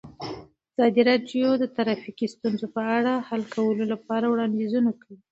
ازادي راډیو د ټرافیکي ستونزې په اړه د حل کولو لپاره وړاندیزونه کړي.